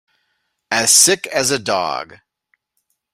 As sick as a dog.